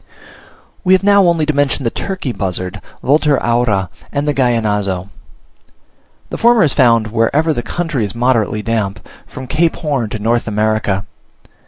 We have now only to mention the turkey buzzard (Vultur aura), and the Gallinazo. The former is found wherever the country is moderately damp, from Cape Horn to North America.